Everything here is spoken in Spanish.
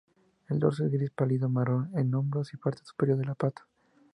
El dorso es gris pálido, marrón en hombros y parte superior de las patas.